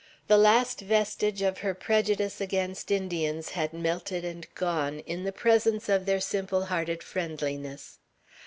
The last vestige of her prejudice against Indians had melted and gone, in the presence of their simple hearted friendliness.